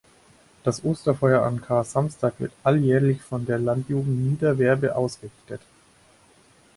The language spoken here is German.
Das Osterfeuer an Karsamstag wird alljährlich von der Landjugend Nieder-Werbe ausgerichtet.